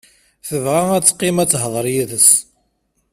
Tebɣa ad teqqim ad tehder yid-s.